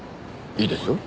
いいですよ。